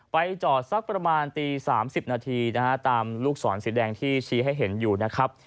ไปจอดสักประมาณตี๓๐นาทีนะฮะตามลูกศรสีแดงที่ชี้ให้เห็นอยู่นะครับ